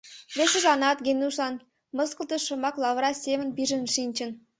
Весыжланат, Генушлан, мыскылтыш шомак лавыра семын пижын шинчын.